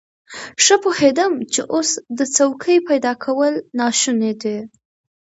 ښه پوهېدم چې اوس د څوکۍ پيدا کول ناشوني دي.